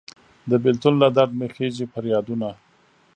د بیلتون له درد مې خیژي پریادونه